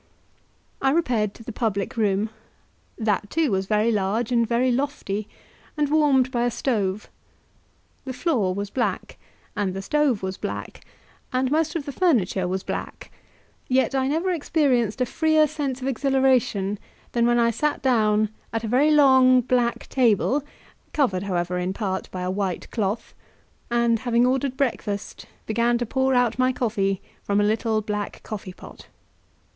I repaired to the public room; that, too, was very large and very lofty, and warmed by a stove; the floor was black, and the stove was black, and most of the furniture was black: yet I never experienced a freer sense of exhilaration than when I sat down at a very long, black table (covered, however, in part by a white cloth), and, having ordered breakfast, began to pour out my coffee from a little black coffee pot.